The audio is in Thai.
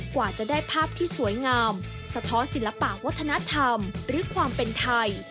กว่าจะได้ภาพที่สวยงามสะท้อนศิลปะวัฒนธรรมหรือความเป็นไทย